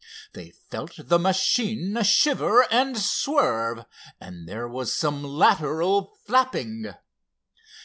They felt the machine shiver and swerve, and there was some lateral flapping.